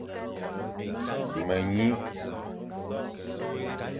Me nyi,